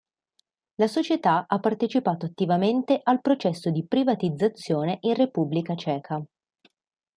La società ha partecipato attivamente al processo di privatizzazione in Repubblica Ceca.